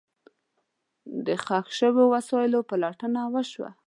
د ښخ شوو وسلو پلټنه وشوه.